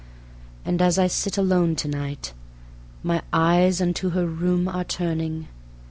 And as I sit alone to night My eyes unto her room are turning